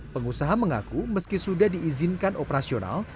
pengusaha mengaku meski sudah diizinkan operasional